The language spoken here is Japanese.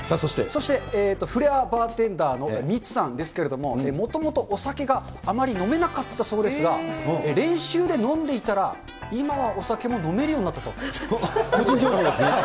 そしてフレアバーテンダーのミツさんですけれども、もともとお酒があまり飲めなかったそうですが、練習で飲んでいたら、プチ情報ですね。